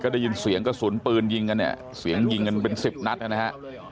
ได้ยินเสียงกระสุนปืนยิงกันเนี่ยเสียงยิงกันเป็นสิบนัดนะฮะ